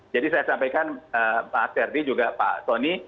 jadi saya sampaikan pak asyardi juga pak tony